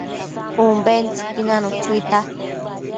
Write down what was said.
ubitsen nanu chuita